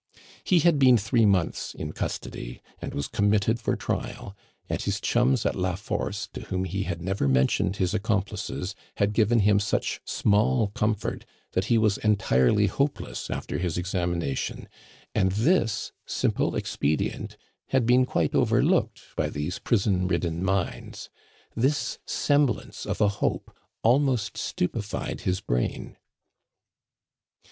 He had been three months in custody, and was committed for trial, and his chums at La Force, to whom he had never mentioned his accomplices, had given him such small comfort, that he was entirely hopeless after his examination, and this simple expedient had been quite overlooked by these prison ridden minds. This semblance of a hope almost stupefied his brain.